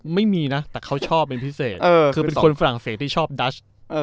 ไม่มีนะแต่เขาชอบเป็นพิเศษคือเป็นคนฝรั่งเศสที่ชอบดัช